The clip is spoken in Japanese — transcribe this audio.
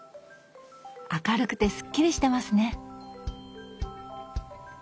明るくてすっきりしてますね。